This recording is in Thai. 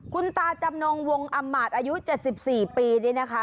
คุณตาจำนงวงอำมาตย์อายุ๗๔ปีนี่นะคะ